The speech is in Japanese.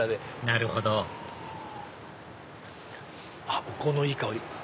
なるほどお香のいい香り。